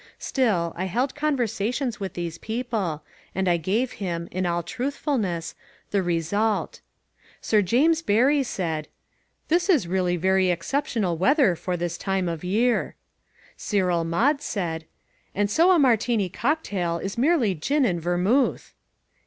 Still, I held conversations with these people and I gave him, in all truthfulness, the result. Sir James Barrie said, "This is really very exceptional weather for this time of year." Cyril Maude said, "And so a Martini cocktail is merely gin and vermouth."